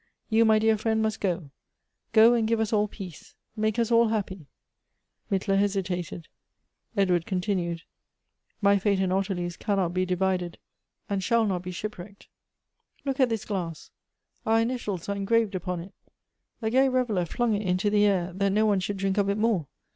You, my dear fiiend, must go. Go, and give us all peace ; make us all happy." Mittler hesitated. Edward continued : "My fate and Ottilie's cannot be divided, and shall Elective Affinities. 149 not be shipwrecked. Look at this glass; our initials are engraved upon it. A gay reveller flung it into the air, that no one should diink of it more.